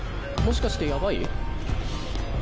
もしかしてやばい？